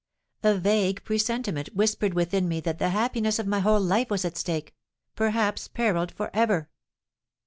A vague presentiment whispered within me that the happiness of my whole life was at stake, perhaps perilled for ever.